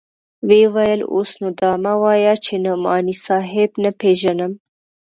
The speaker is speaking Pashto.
ويې ويل اوس نو دا مه وايه چې نعماني صاحب نه پېژنم.